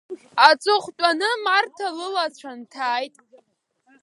Аҵыхәтәаны Марҭа лылацәа нҭааит.